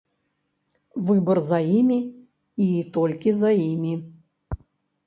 Выбар за імі і толькі за імі.